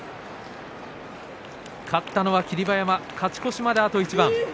勝ったのは霧馬山勝ち越しまであと一番。